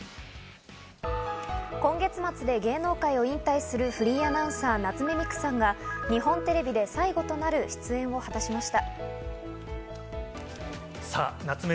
今月末で芸能界を引退するフリーアナウンサー、夏目三久さんが日本テレビで最後となる出演を果たしました。